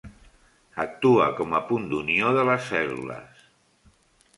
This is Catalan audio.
Actua com a punt d'unió de les cèl·lules.